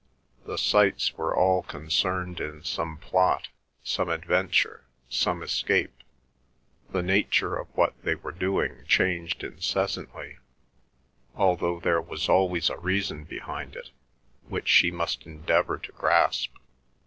The sights were all concerned in some plot, some adventure, some escape. The nature of what they were doing changed incessantly, although there was always a reason behind it, which she must endeavour to grasp.